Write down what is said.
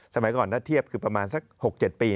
สมัยก่อนถ้าเทียบคือประมาณสัก๖๗ปี